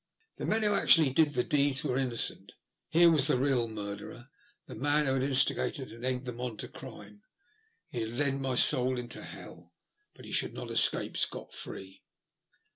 The men who actually did the deeds were innocent — here was the real murderer — the man who had instigated and egged them on to crime. He had led my soul into hell, but he should not escape scot free.